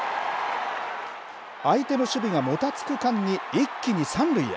相手の守備がもたつく間に一気に三塁へ。